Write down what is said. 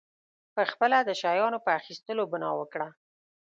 پخپله د شیانو په اخیستلو بنا وکړه.